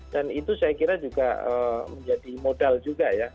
dan itu saya kira juga menjadi modal juga ya